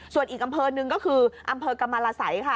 ส่วนอีกอำเภอหนึ่งก็คืออำเภอกรรมรสัยค่ะ